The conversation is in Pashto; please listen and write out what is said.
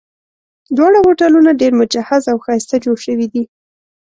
دواړه هوټلونه ډېر مجهز او ښایسته جوړ شوي دي.